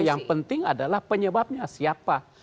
yang penting adalah penyebabnya siapa